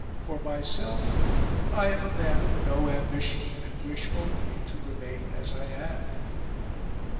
For myself I am a man of no ambition, and wish only to remain as I am...